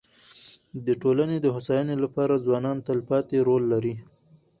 د ټولني د هوسايني لپاره ځوانان تلپاتي رول لري.